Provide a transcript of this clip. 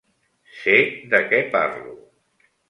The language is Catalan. Sé de què parlo.